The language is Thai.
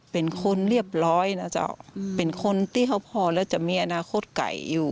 เป็นคนเรียบร้อยนะเจ้าเป็นคนที่เขาพอแล้วจะมีอนาคตไก่อยู่